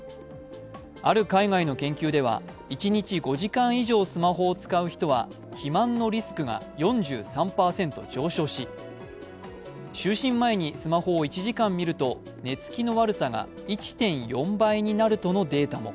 ある海外の研究では一日５時間以上スマホを使う人は肥満のリスクが４３％上昇し、就寝前にスマホを１時間見ると寝つきの悪さが１．４倍になるとのデータも。